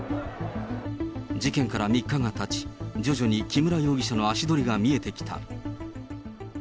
事件から３日がたち、徐々に木村容疑者の足取りが見えてきた。